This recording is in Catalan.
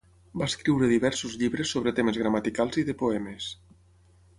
Va escriure diversos llibres sobre temes gramaticals i de poemes.